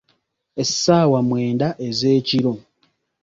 Essaawa mwenda ez'ekiro